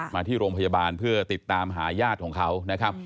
มาที่โรงพยาบาลเพื่อติดตามหาญาติของเขานะครับ